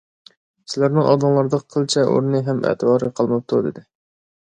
سىلەرنىڭ ئالدىڭلاردا قىلچە ئورنى ھەم ئەتىۋارى قالماپتۇ، دېدى.